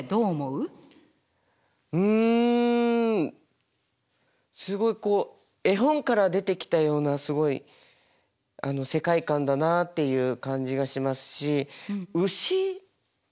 うんすごいこう絵本から出てきたようなすごい世界観だなっていう感じがしますし牛ですかね